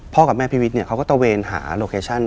พ่อกับแม่พีวิทย์เขาก็ตะเวนหาโลเคชัน